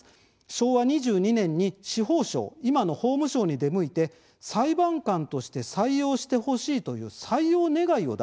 昭和２２年に司法省今の法務省に出向いて裁判官として採用してほしいという採用願を出すんですね。